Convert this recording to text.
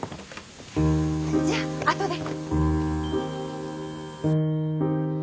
じゃあとで。